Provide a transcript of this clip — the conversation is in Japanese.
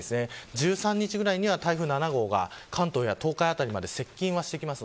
１３日ぐらいには台風７号が関東や東海辺りまで接近してきます。